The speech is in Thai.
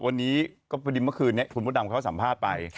ประดิษฐ์เมื่อกี้เวลาคืนนี้คุณมะดำเค้าสัมภาษณ์ไป